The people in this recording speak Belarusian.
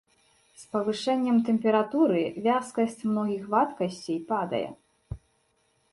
З павышэннем тэмпературы вязкасць многіх вадкасцей падае.